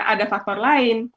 ada faktor lain